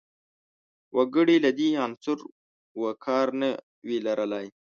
وګړي له دې عنصر سر و کار نه وي لرلای